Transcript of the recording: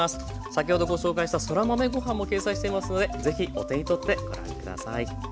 先ほどご紹介したそら豆ご飯も掲載していますのでぜひお手に取ってご覧ください。